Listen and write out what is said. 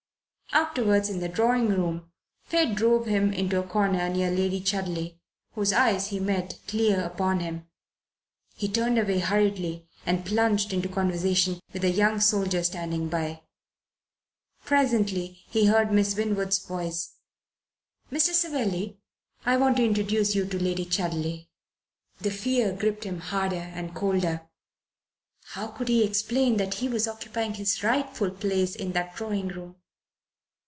Afterwards, in the drawing room, Fate drove him into a corner near Lady Chudley, whose eyes he met clear upon him. He turned away hurriedly and plunged into conversation with a young soldier standing by. Presently he heard Miss Winwood's voice. "Mr. Savelli, I want to introduce you to Lady Chudley." The fear gripped him harder and colder. How could he explain that he was occupying his rightful place in that drawing room?